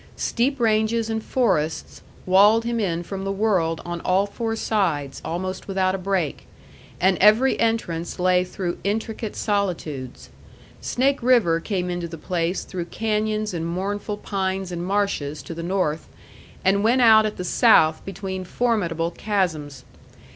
Steep ranges and forests walled him in from the world on all four sides, almost without a break; and every entrance lay through intricate solitudes. Snake River came into the place through canyons and mournful pines and marshes, to the north, and went out at the south between formidable chasms.